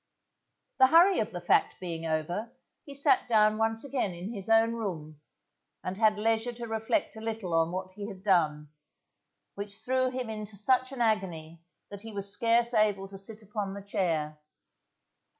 The hurry of the fact being over, he sat down once again in his own room, and had leisure to reflect a little on what he had done, which threw him into such an agony that he was scarce able to sit upon the chair.